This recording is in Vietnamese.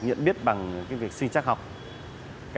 nhận biết bằng việc sinh trắc học